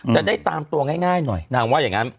จะได้ตามตัวง่ายหน่อยนางว่าอย่างนั้น